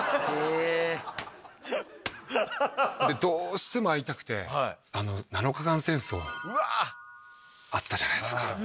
どうしても会いたくて「七日間戦争」あったじゃないですか。